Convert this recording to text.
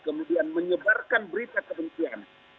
kemudian menyebarkan berita kebencian